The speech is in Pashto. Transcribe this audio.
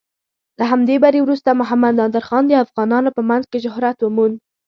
له همدې بري وروسته محمد نادر خان د افغانانو په منځ کې شهرت وموند.